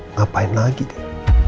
ngapain lagi deh